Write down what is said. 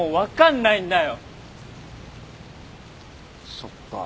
そっかぁ。